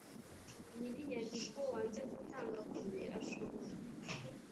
nyir inyandiko wanze gutanga kopi ashobora